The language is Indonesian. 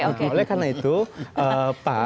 nah oleh karena itu pak